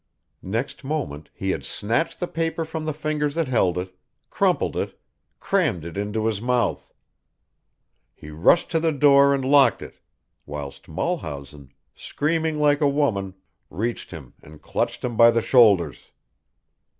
Next moment he had snatched the paper from the fingers that held it, crumpled it, crammed it into his mouth. He rushed to the door and locked it, whilst Mulhausen, screaming like a woman, reached him and clutched him by the shoulders.